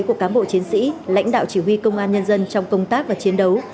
của cán bộ chiến sĩ lãnh đạo chỉ huy công an nhân dân trong công tác và chiến đấu